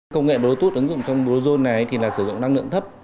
công nghệ botos ứng dụng trong bluezone này thì là sử dụng năng lượng thấp